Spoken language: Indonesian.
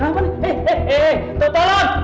aduh kenapa ini